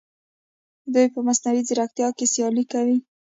دوی په مصنوعي ځیرکتیا کې سیالي کوي.